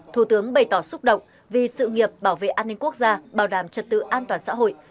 thủ tướng bày tỏ xúc động vì sự nghiệp bảo vệ an ninh quốc gia bảo đảm trật tự an toàn xã hội